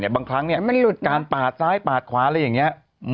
บางครั้งมันหลุดการปาดซ้ายปาดขวาอะไรอย่างนี้